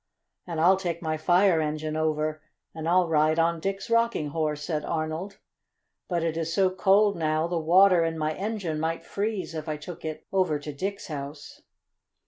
"And I'll take my fire engine over and I'll ride on Dick's Rocking Horse," said Arnold. "But it is so cold now the water in my engine might freeze if I took it over to Dick's house."